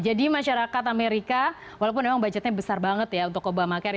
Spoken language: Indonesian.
jadi masyarakat amerika walaupun memang budgetnya besar banget ya untuk obamacare